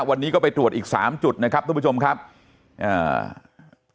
วันนี้ก็ไปตรวจอีกสามจุดนะครับทุกผู้ชมครับอ่า